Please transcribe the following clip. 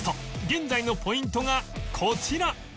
現在のポイントがこちら